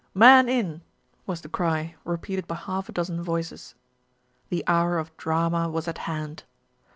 "Man in!" was the cry, repeated by half a dozen voices. The hour of drama was at hand.